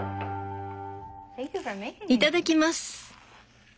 いただきます。